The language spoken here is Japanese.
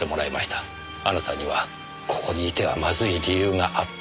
あなたにはここにいてはまずい理由があった。